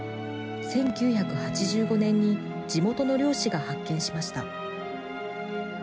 １９８５年に地元の漁師が発見しました。